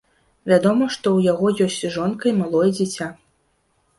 Вядома, што ў яго ёсць жонка і малое дзіця.